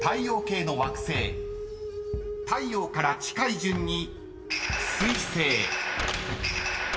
［太陽から近い順に］